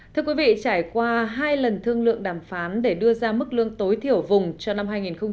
trải qua hai lần thương lượng đàm phán để đưa ra mức lương tối thiểu vùng cho năm hai nghìn một mươi chín